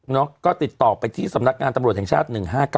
ก็ติดต่อไปที่สำนักงานตำรวจแห่งชาติ๑๕๙